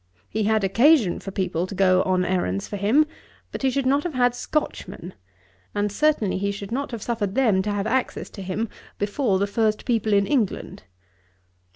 He had occasion for people to go on errands for him; but he should not have had Scotchmen; and, certainly, he should not have suffered them to have access to him before the first people in England.'